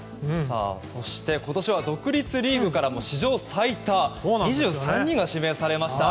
そして今年は独立リーグからも史上最多２３人が指名されました。